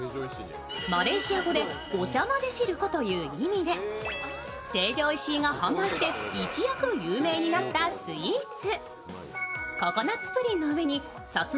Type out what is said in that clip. マレーシア語で、ごちゃまぜ汁粉という意味で、成城石井が販売して一躍有名になったスイーツ。